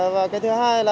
và cái thứ hai là